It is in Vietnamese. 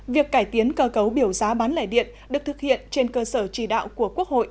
việc cải tiến cơ cấu biểu giá bán lẻ điện được thực hiện trên cơ sở trì đạo của quốc hội